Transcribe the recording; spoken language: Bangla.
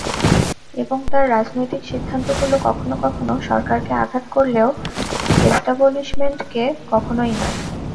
এবং তাঁর রাজনৈতিক সিদ্ধান্তগুলো কখনো কখনো সরকারকে আঘাত করলেও এস্টাবলিশমেন্টকে কখনোই নয়।